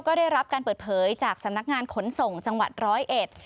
ก็ได้รับการเปิดเผยจากสำนักงานขนส่งจังหวัดร้อยเอ็ด